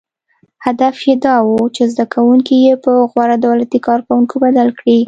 • هدف یې دا و، چې زدهکوونکي یې په غوره دولتي کارکوونکو بدل کړي.